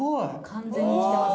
完全にきてますね。